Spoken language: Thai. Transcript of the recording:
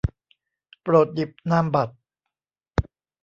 โปรดหยิบนามบัตร